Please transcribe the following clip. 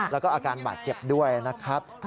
แล้วก็อาการบาดเจ็บด้วยนะครับ